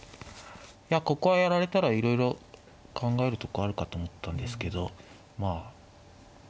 いやここはやられたらいろいろ考えるとこあるかと思ったんですけどまあ。